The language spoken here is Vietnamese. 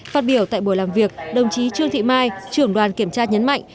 phát biểu tại buổi làm việc đồng chí trương thị mai trưởng đoàn kiểm tra nhấn mạnh